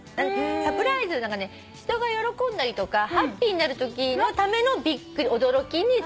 「サプライズ」は人が喜んだりとかハッピーになるときのためのびっくり驚きに使ってくださいという。